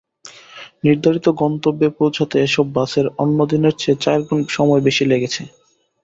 নির্ধারিত গন্তেব্যে পৌঁছাতে এসব বাসের অন্যদিনের চেয়ে চারগুণ সময় বেশি লেগেছে।